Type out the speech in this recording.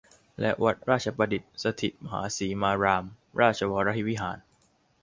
และวัดราชประดิษฐสถิตมหาสีมารามราชวรวิหาร